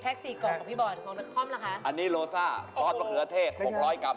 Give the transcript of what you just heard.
แพ็ค๔กล่องของพี่บอร์ดของละคอมล่ะคะอันนี้โรซ่าปลอดมะเขือเทศ๖๐๐กรัม